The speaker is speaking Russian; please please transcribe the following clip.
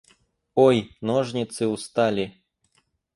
Ой, ножницы устали!